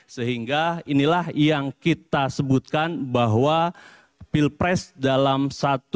sehingga inilah yang kita sebutkan bahwa pilpres dalam satu